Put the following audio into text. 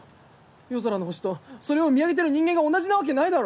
夜空の星とそれを見上げてる人間が同じなわけないだろ？